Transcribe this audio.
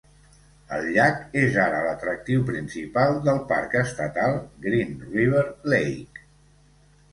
El llac és ara l'atractiu principal del Parc Estatal Green River Lake.